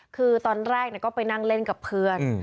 คือตอนแรกก็ไปนั่งเล่นกับเพื่อน